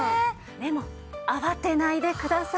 でも慌てないでください。